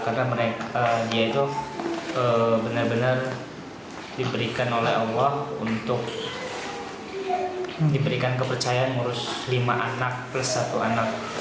karena dia itu benar benar diberikan oleh allah untuk diberikan kepercayaan mengurus lima anak plus satu anak